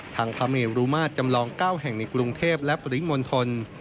พระเมรุมาตรจำลอง๙แห่งในกรุงเทพและปริมณฑล